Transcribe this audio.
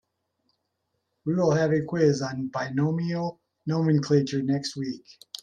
We will have a quiz on binomial nomenclature next week.